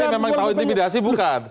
tapi memang tahu intimidasi bukan